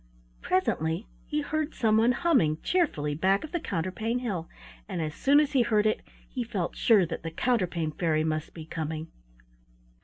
Presently he heard someone humming cheerfully back of the counterpane hill, and as soon as he heard it he felt sure that the Counterpane Fairy must be coming.